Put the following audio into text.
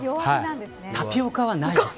タピオカはないです。